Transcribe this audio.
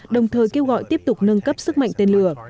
đồng thời kêu gọi tiếp tục nâng cấp sức mạnh tên lửa